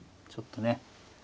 ちょっとね。